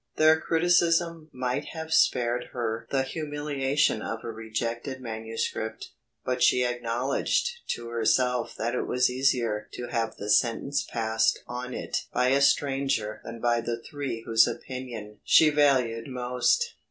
Their criticism might have spared her the humiliation of a rejected manuscript, but she acknowledged to herself that it was easier to have the sentence passed on it by a stranger than by the three whose opinion she valued most.